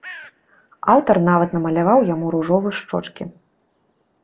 Аўтар нават намаляваў яму ружовы шчочкі.